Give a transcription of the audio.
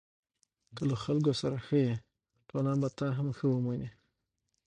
که له خلکو سره ښه یې، ټولنه به تا هم ښه ومني.